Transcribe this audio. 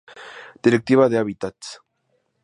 Directiva de Hábitats.